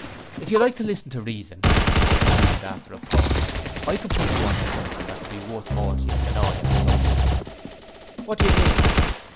If you like to listen to reason,' he continued after a pause, 'I can put you on to something that will be worth more to you than all your Socialism.' 'What do you mean?'